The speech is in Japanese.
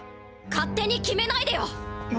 勝手に決めないでよ！